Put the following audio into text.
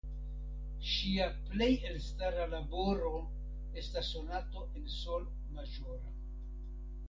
Ŝia plej elstara laboro estas Sonato en Sol maĵora.